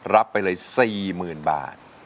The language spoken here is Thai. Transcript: รับไปเลย๔๐๐๐บาท